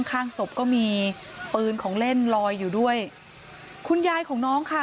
ข้างศพก็มีปืนของเล่นลอยอยู่ด้วยคุณยายของน้องค่ะ